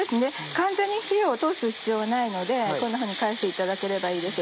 完全に火を通す必要はないのでこんなふうに返していただければいいです。